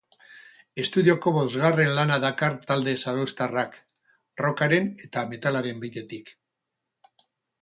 Estudioko bosgarren lana dakar talde zarauztarrak, rockaren eta metalaren bidetik.